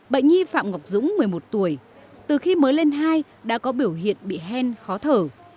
bệnh nhi phạm ngọc dũng một mươi một tuổi từ khi mới lên hai đã có biểu hiện bị hen khó thở